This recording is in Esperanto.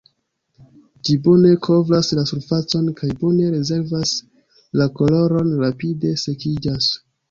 Ĝi bone kovras la surfacon kaj bone rezervas la koloron, rapide sekiĝas.